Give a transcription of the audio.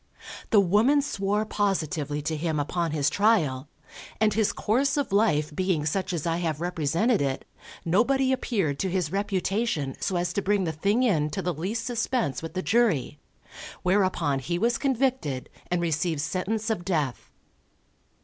The woman swore positively to him upon his trial, and his course of life being such as I have represented it, nobody appeared to his reputation so as to bring the thing in to the least suspense with the jury; whereupon he was convicted and received sentence of death.